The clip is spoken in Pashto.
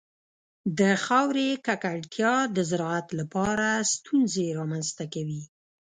د خاورې ککړتیا د زراعت لپاره ستونزې رامنځته کوي.